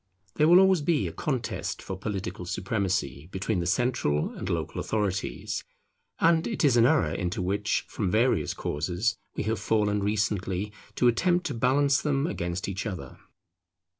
There will always be a contest for political supremacy between the central and local authorities; and it is an error into which, from various causes, we have fallen recently, to attempt to balance them against each other.